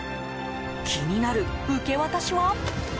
気になる受け渡しは。